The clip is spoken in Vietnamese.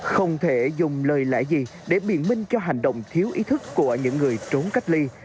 không thể dùng lời lẽ gì để biện minh cho hành động thiếu ý thức của những người trốn cách ly